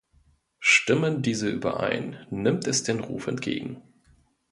Stimmen diese überein, nimmt es den Ruf entgegen.